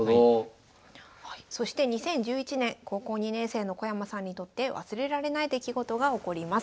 そして２０１１年高校２年生の小山さんにとって忘れられない出来事が起こります。